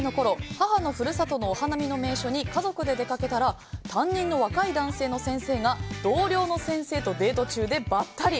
母の故郷お花見の名所に家族で出かけたら担任の若い男性の先生が同僚の先生とデート中でばったり。